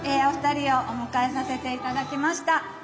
お二人をお迎えさせていただきました。